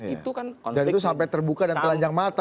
dan itu sampai terbuka dan telanjang mata